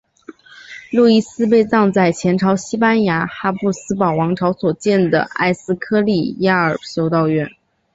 路易斯被葬在前朝西班牙哈布斯堡王朝所建的埃斯科里亚尔修道院。